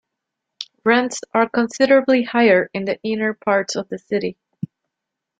Rents are considerably higher in the inner parts of the city.